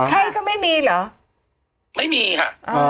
ให้ก็ไม่มีเหรอไม่มีค่ะ